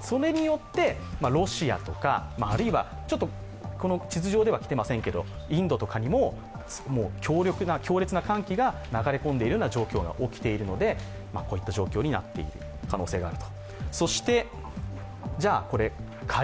それによってロシアとか地図上では来ていませんけどインドとかにも強烈な寒気が流れ込んでいるような状況が起きているのでこういった状況になっている可能性があると。